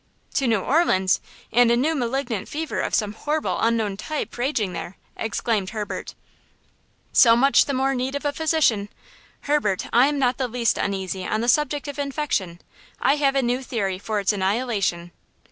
"To New Orleans! And a new malignant fever of some horrible, unknown type, raging there!" exclaimed Herbert. "So much the more need of a physician! Herbert, I am not the least uneasy on the subject of infection! I have a new theory for its annihilation."